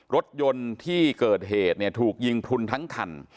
รถยนต์ที่เกิดเหตุเนี่ยถูกยิงพลุนทั้งคัน